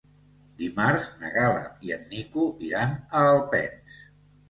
Dimarts na Gal·la i en Nico iran a Alpens.